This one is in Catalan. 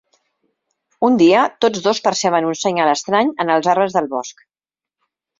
Un dia, tots dos perceben un senyal estrany en els arbres del bosc.